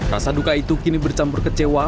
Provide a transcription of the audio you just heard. rasa duka itu kini bercampur kecewa